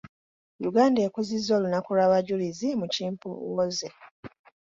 Uganda ekuzizza olunaku lw’Abajulizi mu kimpoowooze.